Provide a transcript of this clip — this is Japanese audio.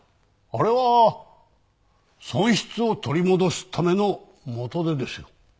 あれは損失を取り戻すための元手ですよ。